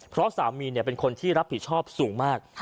เพราะสามีเป็นคนที่รับผิดชอบสูงมาก